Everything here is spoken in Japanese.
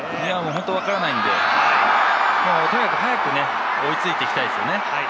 本当に分からないんで、とにかく早く追いついていきたいですね。